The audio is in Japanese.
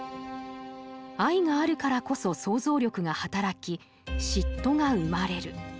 愛があるからこそ想像力が働き嫉妬が生まれる。